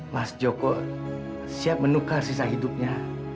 mas joko siap menukar sisa hidupnya